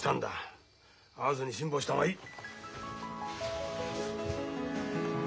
会わずに辛抱した方がいい。